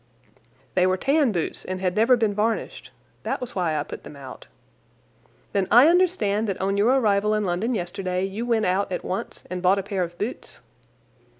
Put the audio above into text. "They were tan boots and had never been varnished. That was why I put them out." "Then I understand that on your arrival in London yesterday you went out at once and bought a pair of boots?"